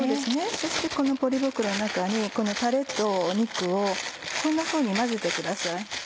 そしてこのポリ袋の中にこのタレと肉をこんなふうに混ぜてください。